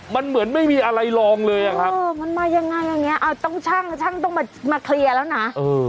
มันเหมือนไม่มีอะไรลองเลยอะครับเออมันมายังไงอย่างเงี้เอาต้องช่างช่างต้องมาเคลียร์แล้วนะเออ